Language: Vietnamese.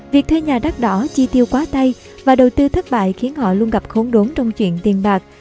việc thuê nhà đắt đỏ chi tiêu quá tay và đầu tư thất bại khiến họ luôn gặp khốn đốn trong chuyện tiền bạc